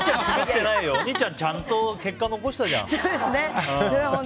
お兄ちゃんちゃんと結果残したじゃん。